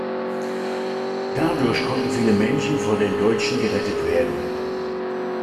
Dadurch konnten viele Menschen vor den Deutschen gerettet werden.